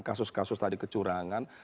kasus kasus tadi kecurangan